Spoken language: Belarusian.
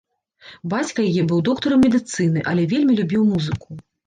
Бацька яе быў доктарам медыцыны, але вельмі любіў музыку.